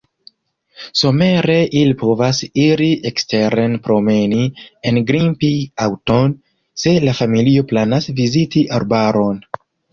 Somere ili povas iri eksteren promeni, engrimpi aŭton, se la familio planas viziti arbaron.